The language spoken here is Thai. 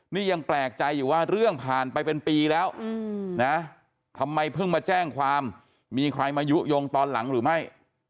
นี่ยังแปลกใจอยู่ว่าเรื่องผ่านไปเป็นปีแล้วนะทำไมเพิ่งมาแจ้งความมีใครมายุโยงตอนหลังหรือไม่